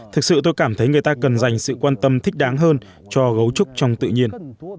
thực sự tôi cảm thấy người ta cần dành sự quan tâm thích đáng hơn cho gấu trúc trong tự nhiên